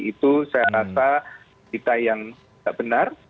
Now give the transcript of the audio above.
itu saya rasa berita yang tidak benar